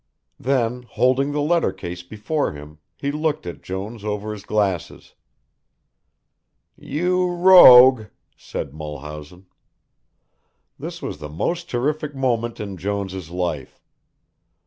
Then holding the letter case before him he looked at Jones over his glasses. "You rogue," said Mulhausen. That was the most terrific moment in Jones' life.